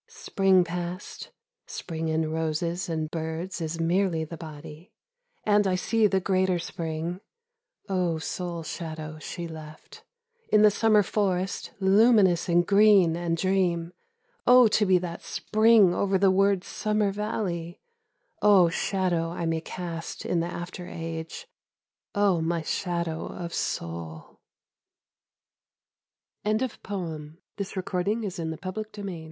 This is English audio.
•••••••••• Spring passed, (Spring in roses and birds is merely the body,) And I see the greater Spring (O soul shadow she left !) In the Summer forest, luminous in green and dream : Oh to be that Spring over the word's Summer valley, O shadow I may cast in the after age, O my shadow of soul ^ 91 THE FANTASTIC SNOW FLAKES Bah !